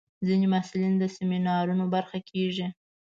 ځینې محصلین د سیمینارونو برخه کېږي.